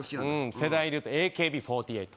世代でいうとＡＫＢ４８